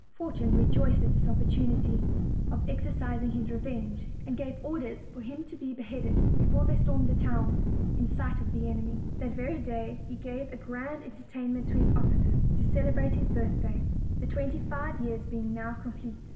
Fortune rejoiced at this opportunity of exercising his revenge, and gave orders for him to be beheaded before they stormed the town, in 124 OLD. OLD FAIRT TALES. sight of the enemy. That very day he gave a grand en tertainment to his officers, to celebrate his birthday, the twenty five years being now complete.